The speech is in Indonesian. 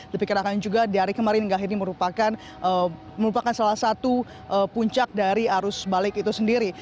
dipikirkan juga di hari kemarin hingga ini merupakan salah satu puncak dari arus balik itu sendiri